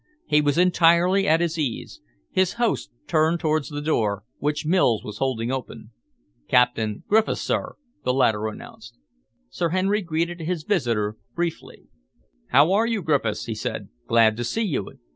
He was entirely at his ease. His host turned towards the door, which Mills was holding open. "Captain Griffiths, sir," the latter announced. Sir Henry greeted his visitor briefly. "How are you, Griffiths?" he said. "Glad to see you.